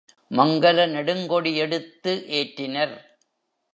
மங்கல நெடுங்கொடி எடுத்து ஏற்றினர்.